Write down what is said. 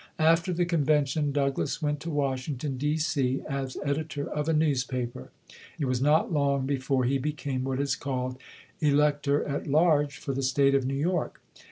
After the convention, Douglass went to Wash ington, D. C., as editor of a newspaper. It was FREDERICK DOUGLASS [ 37 not long before he became what is called Elector at Large for the State of New York.